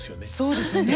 そうですね。